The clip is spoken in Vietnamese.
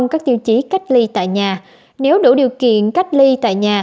các tiêu chí cách ly tại nhà nếu đủ điều kiện cách ly tại nhà